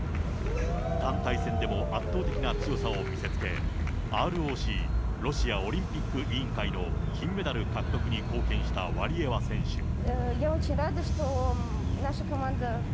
団体戦でも圧倒的な強さを見せつけ、ＲＯＣ・ロシアオリンピック委員会の金メダル獲得に貢献したワリエワ選手。